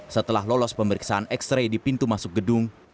setelah lolos pemeriksaan ekstri di pintu masuk gedung